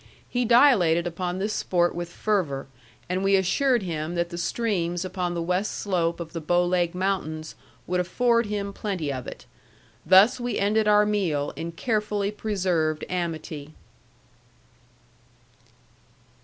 He dilated upon this sport with fervor, and we assured him that the streams upon the west slope of the Bow Leg Mountains would afford him plenty of it. Thus we ended our meal in carefully preserved amity.